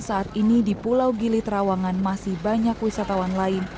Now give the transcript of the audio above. saat ini di pulau gili terawangan masih banyak wisatawan lain